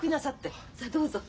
さどうぞ。